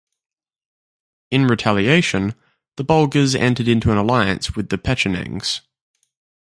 In retaliation, the Bulgars entered into an alliance with the Pechenegs.